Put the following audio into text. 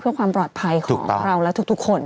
เพื่อความปลอดภัยของเราและทุกคน